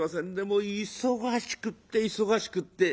もう忙しくって忙しくって」。